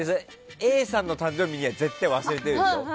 Ａさんの誕生日は絶対忘れてるでしょ。